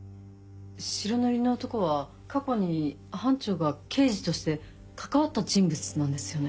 白塗りの男は過去に班長が刑事として関わった人物なんですよね。